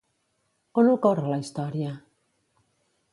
On ocorre la història?